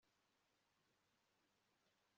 iguh'impundu, ibiyaga kikuninahaze